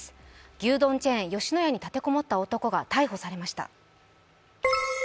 牛丼チェーン吉野家に立て籠もった男が逮捕されました。